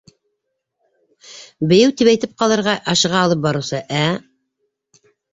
«Бейеү...» тип әйтеп ҡалырға ашыға алып барыусы, ә